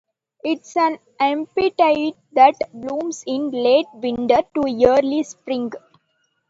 It is an epiphyte that blooms in late winter to early spring.